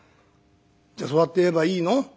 「じゃそうやって言えばいいの？